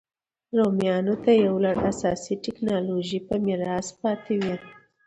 رومیانو ته یو لړ اساسي ټکنالوژۍ په میراث پاتې وې